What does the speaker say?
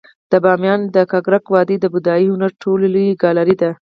د بامیانو د ککرک وادي د بودايي هنر تر ټولو لوی ګالري ده